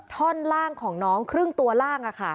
ท่อนล่างของน้องครึ่งตัวล่าง